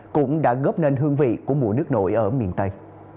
cũng đã góp nên hương vị của mùa nước nổi ở miền tây